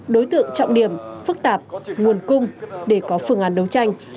đối tượng trọng điểm phức tạp nguồn cung để có phương án đấu tranh